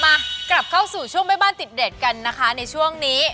มากลับเข้าสู่ช่วงแม่บ้านติดเด็ดกันนะคะในช่วงนี้